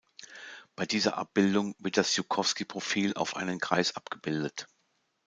Bei dieser Abbildung wird das Joukowski-Profil auf einen Kreis abgebildet.